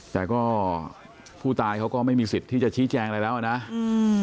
แต่ก็ผู้ตายเขาก็ไม่มีสิทธิ์ที่จะชี้แจงอะไรแล้วอ่ะนะอืม